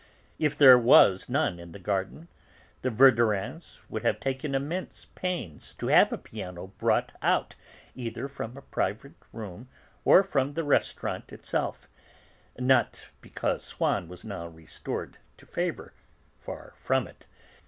If there was none in the garden, the Verdurins would have taken immense pains to have a piano brought out either from a private room or from the restaurant itself; not because Swann was now restored to favour; far from it.